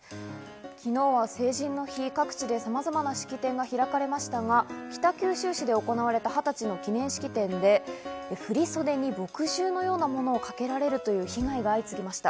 昨日は成人の日、各地で様々な式典が開かれましたが、北九州市で行われた二十歳の記念式典で振り袖に墨汁のようなものをかけられるという被害が相次ぎました。